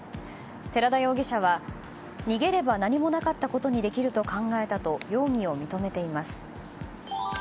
寺田容疑者は逃げれば何もなかったことにできると考えたと容疑を認めています。